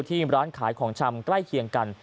ที่ร้านขายของชำใกล้เคียงกัน